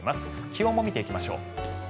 気温も見ていきましょう。